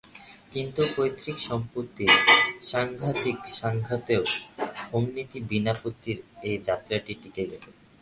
কিন্তু পৈতৃক সম্পত্তির সাংঘাতিক সংঘাতেও অমিত বিনা বিপত্তিতে এ যাত্রা টিঁকে গেল।